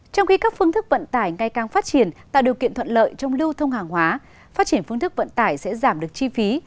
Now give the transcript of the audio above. trong khi các phương thức vận tải ngay càng phát triển tạo điều kiện thuận lợi trong lưu thông hàng hóa phát triển phương thức vận tải sẽ giảm được chi phí